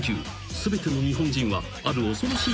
［全ての日本人はある恐ろしい］